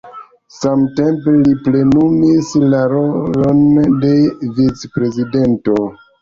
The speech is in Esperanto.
Samtempe li plenumis la rolon de vicprezidento.